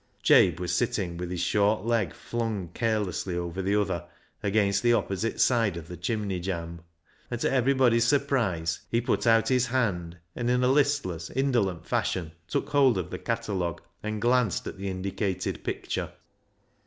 Jabe was sitting with his short leg flung carelessly over the other against the opposite side of the chimney jamb, and to everybody's surprise he put out his hand, and in a listless, indolent fashion took hold of the catalogue and glanced at the indicated picture.